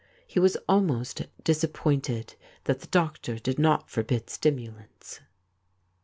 He was almost disappointed that the doctor did not forbid stimulants.